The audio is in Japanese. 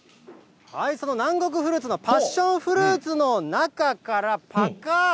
その南国フルーツのパッションフルーツの中から、ぱかっ。